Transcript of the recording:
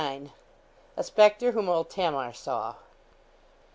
OF A SPECTRE WHOM OLD TAMAR SAW.